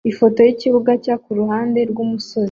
Ifoto yikibuga cyakuruhande rwumusozi